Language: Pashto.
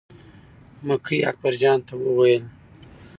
مکۍ اکبر جان ته وویل.